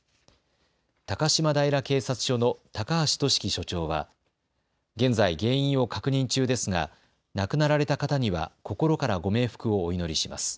高島平警察署の高橋季樹署長は現在、原因を確認中ですが亡くなられた方には心からご冥福をお祈りします。